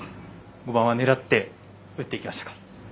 ５番は狙って打っていきましたか。